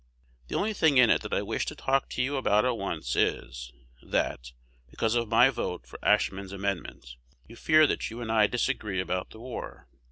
The only thing in it that I wish to talk to you about at once is, that, because of my vote for Ashmun's amendment, you fear that you and I disagree about the war.